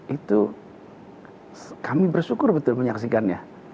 itu kami bersyukur betul menyaksikannya